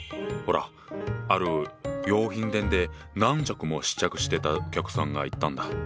ほらある洋品店で何着も試着してたお客さんがいたんだ。